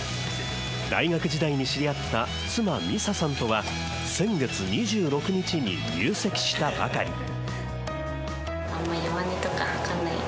大学時代に知り合った妻ミサさんとは先月、２６日に入籍したばかり。